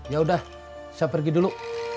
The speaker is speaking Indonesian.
yaudah saya pergi dulu